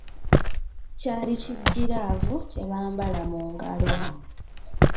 Kyali kigiraavu kye bambala mu ngalo.